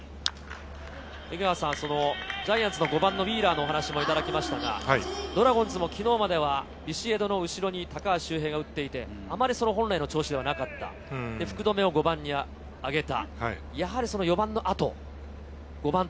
ジャイアンツの５番のウィーラーの話もしてもらいましたが、ドラゴンズも昨日まではビシエドの後ろに高橋がいて、本来の調子ではなかったので、福留を５番に上げた。